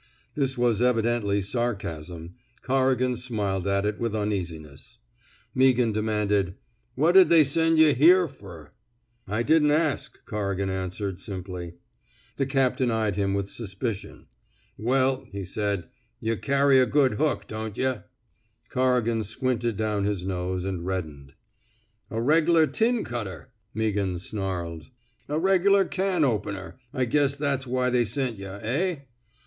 This was evidently sarcasn;i. Corrigan smiled at it with uneasiness. Meaghan demanded: What did they send yuh here ferf I didn't ask, Corrigan answered, simply. The captain eyed him with suspicion. Well, he said, yuh carry a good hook, don*t yuh? 151 f THE SMOKE EATEES Corrigan squinted down his nose, and reddened. A regular tin cutter,*' Meaghan snarled. A regular can opener. I guess that's why they sent yuh, eb?